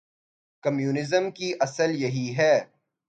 Communism کی اصل یہی ہے۔